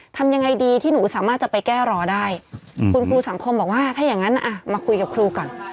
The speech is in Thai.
ทำยังไงดีที่หนูสามารถจะไปแก้รอได้คุณครูสังคมบอกว่าถ้าอย่างนั้นมาคุยกับครูก่อน